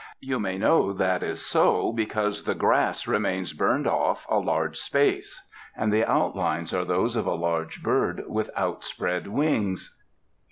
You may know that is so, because the grass remains burned off a large space, and the outlines are those of a large bird with outspread wings.